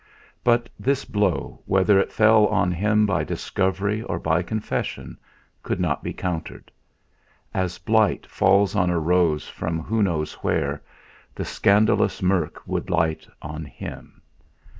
But this blow, whether it fell on him by discovery or by confession, could not be countered. As blight falls on a rose from who knows where, the scandalous murk would light on him.